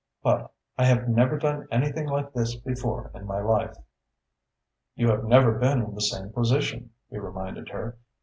But I have never done anything like this before in my life." "You have never been in the same position," he reminded her.